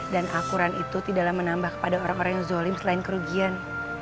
dan al quran itu tidaklah menambah kepada orang orang yang zolim selain kerugian